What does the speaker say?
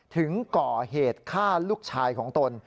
ถึงก่อเหตุฆ่าลูกชายของตน